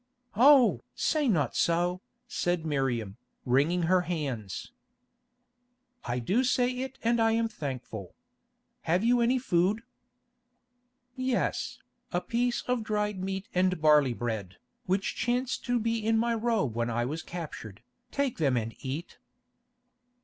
"Oh! say not so," said Miriam, wringing her hands. "I do say it and I am thankful. Have you any food?" "Yes, a piece of dried meat and barley bread, which chanced to be in my robe when I was captured. Take them and eat."